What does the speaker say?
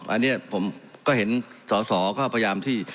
อันนี้ผมก็เห็นสอสอก็พยายามที่